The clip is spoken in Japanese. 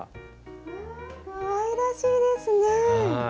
うわぁかわいらしいですね！